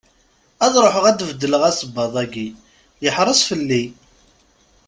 Ad ruḥeɣ ad d-beddleɣ asebbaḍ-agi, yeḥreṣ fell-i.